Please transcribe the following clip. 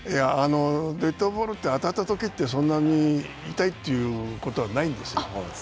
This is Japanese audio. デッドボールって、当たったときってそんなに痛いということはないんですよ。